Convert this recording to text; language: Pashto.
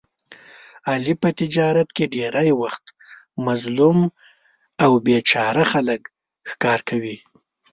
علي په تجارت کې ډېری وخت مظلوم او بې چاره خلک ښکار کوي.